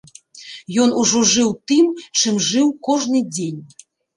Ён ужо жыў тым, чым жыў кожны дзень.